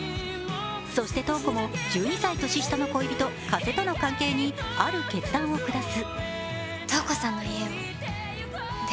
そして、瞳子も１２歳年下の恋人加瀬との関係にある決断を下す。